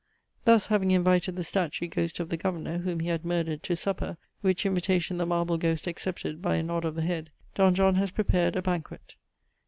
Thus having invited the statue ghost of the governor, whom he had murdered, to supper, which invitation the marble ghost accepted by a nod of the head, Don John has prepared a banquet.